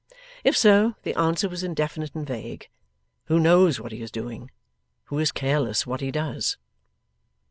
If so, the answer was indefinite and vague. Who knows what he is doing, who is careless what he does!